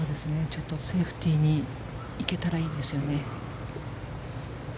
ちょっとセーフティーに行けたらいいですよね。